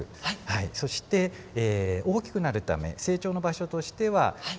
そして大きくなるため成長の場所としては中流から下流。